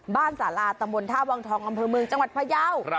บ้านสาราตะมนต์ท่าวังทองอำเภอเมืองจังหวัดพระยาว